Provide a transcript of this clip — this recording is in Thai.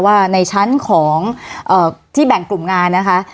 ว่าในชั้นของที่แบ่งกลุ่มงานนะคะ